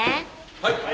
はい。